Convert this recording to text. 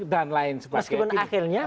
dan lain sebagainya meskipun akhirnya